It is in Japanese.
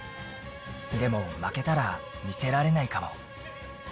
でも、負けたら見せられないかも。